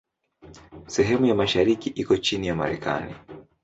Sehemu ya mashariki iko chini ya Marekani.